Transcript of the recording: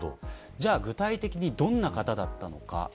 具体的にどんな方だったのか。